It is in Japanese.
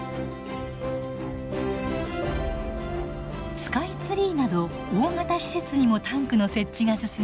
スカイツリーなど大型施設にもタンクの設置が進み